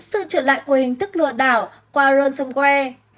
sự trở lại của hình thức lừa đảo qua ronsomware